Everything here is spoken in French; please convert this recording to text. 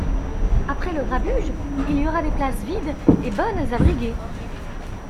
Après le grabuge, il y aura des places vides et bonnes à briguer.